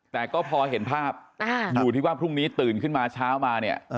แต่ก็พอเห็นภาพอยู่ที่ว่าพรุ่งนี้ตื่นขึ้นมาเช้ามาเนี่ย